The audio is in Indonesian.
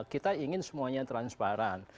kita ingin semuanya transparan